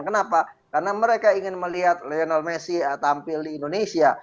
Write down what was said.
kenapa karena mereka ingin melihat lionel messi tampil di indonesia